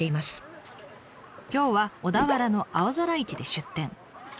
今日は小田原の青空市で出店。